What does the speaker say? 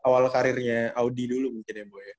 awal karirnya audi dulu mungkin ya bu ya